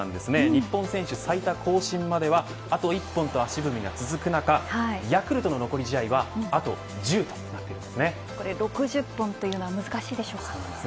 日本選手最多更新まではあと１本と足踏みが続く中ヤクルトの残り試合は６０本というのは難しいでしょうか。